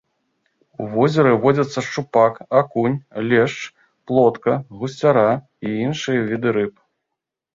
У возеры водзяцца шчупак, акунь, лешч, плотка, гусцяра і іншыя віды рыб.